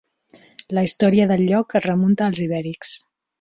La història del lloc es remunta als Ibèrics.